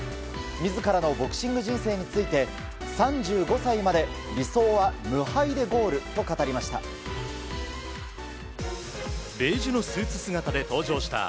自らのボクシング人生について３５歳まで、理想は無敗でゴールと語りました。